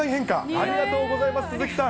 ありがとうございます、鈴木さん。